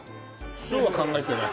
そうは考えてない？